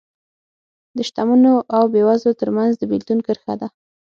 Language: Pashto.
د شتمنو او بېوزلو ترمنځ د بېلتون کرښه ده